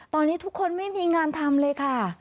ตอนนี้ทุกคนไม่มีงานทำเลยค่ะ